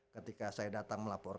ketika saya datang melaporkan